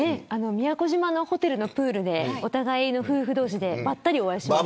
宮古島のホテルのプールでお互いの夫婦同士でばったりお会いしました。